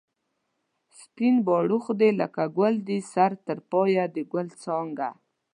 سپین باړخو دی لکه گل دی سر تر پایه د گل څانگه